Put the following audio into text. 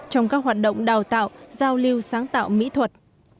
trong các hoạt động đào tạo giao lưu sáng tạo mỹ thuật